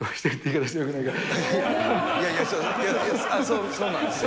いやいや、そうなんですよ。